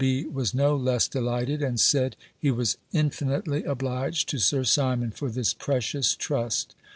B. was no less delighted, and said, he was infinitely obliged to Sir Simon for this precious trust.